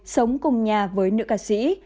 sống cùng nhà với nữ ca sĩ